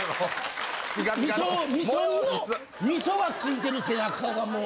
味噌味噌煮の味噌がついてる背中がもう。